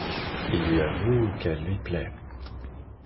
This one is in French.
Il lui avoue qu'elle lui plaît.